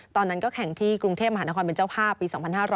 ตอนนั้นก็แข่งที่กรุงเทพมหานครเป็นเจ้าภาพปี๒๕๖๐